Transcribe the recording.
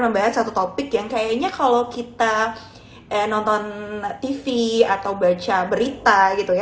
membahas satu topik yang kayaknya kalau kita nonton tv atau baca berita gitu ya